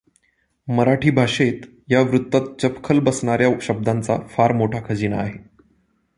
मराठी भाषेत या वृत्तात चपखल बसणाऱ्या शब्दांचा फार मोठा खजिना आहे.